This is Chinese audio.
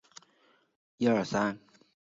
过了这关